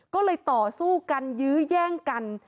ก็เลยต่อสู้กันยื้อแย่งกัน